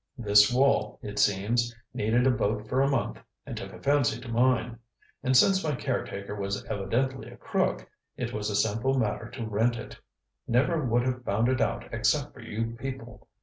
This Wall, it seems, needed a boat for a month and took a fancy to mine. And since my caretaker was evidently a crook, it was a simple matter to rent it. Never would have found it out except for you people.